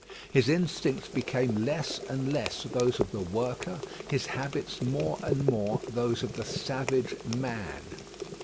His instincts became less and less those of the worker; his habits more and more those of the savage man.